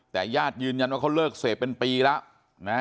แต่ญาติยืนยันว่าเขาเลิกเสพเป็นปีแล้วนะฮะ